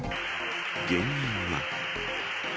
原因は。